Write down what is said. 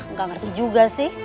nah gak ngerti juga sih